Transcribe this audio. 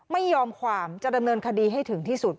ไม่ยอมความจะดำเนินคดีให้ถึงที่สุด